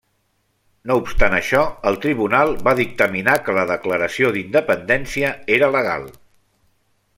No obstant això, el tribunal va dictaminar que la declaració d'independència era legal.